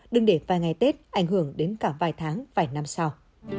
đừng để vài ngày tết ảnh hưởng đến cả vài tháng vài năm sau